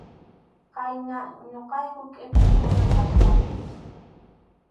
Khaynam ñuqayku qʼipiqkuna kachkayku.